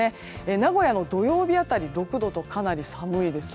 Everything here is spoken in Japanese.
名古屋の土曜日辺り６度とかなり寒いです。